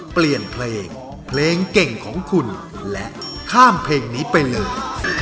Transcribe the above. เปลี่ยนเพลงเพลงเก่งของคุณและข้ามเพลงนี้ไปเลย